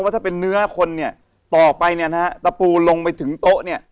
ว่าถ้าเป็นเนื้อคนเนี่ยต่อไปเนี่ยนะฮะตะปูลงไปถึงโต๊ะเนี่ย